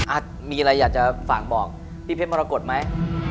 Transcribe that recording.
อ่ะมีอะไรอยากจะฝากบอกพี่เพชรมรกฏไหม